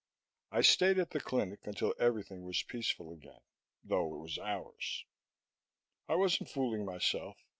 I stayed at the clinic until everything was peaceful again, though it was hours. I wasn't fooling myself.